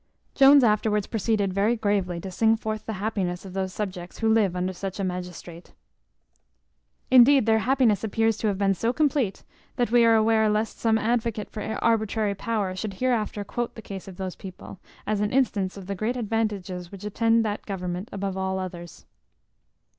Jones afterwards proceeded very gravely to sing forth the happiness of those subjects who live under such a magistrate. Indeed their happiness appears to have been so compleat, that we are aware lest some advocate for arbitrary power should hereafter quote the case of those people, as an instance of the great advantages which attend that government above all others.